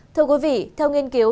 thưa quý vị theo nghiên cứu